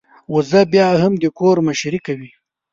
وزه بيا هم د کور مشرۍ کوي.